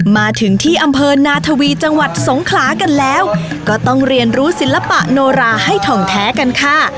มาถึงที่อำเภอนาทวีจังหวัดสงขลากันแล้วก็ต้องเรียนรู้ศิลปะโนราให้ทองแท้กันค่ะ